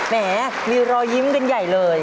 แหมมีรอยยิ้มกันใหญ่เลย